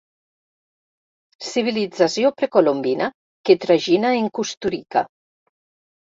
Civilització precolombina que tragina en Kusturica.